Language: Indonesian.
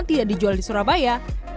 tidak dijual disurabaya